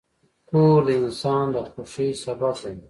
کور د انسان د خوښۍ سبب دی.